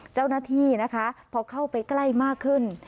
เจ้าหน้าที่นะคะพอเข้าไปใกล้มากขึ้น